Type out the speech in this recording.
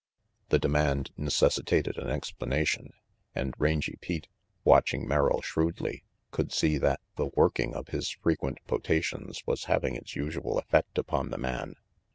The demand necessitated an explanation; and Rangy Pete, watching Merrill shrewdly, could see that the working of his frequent potations was having its usual effect upon the man.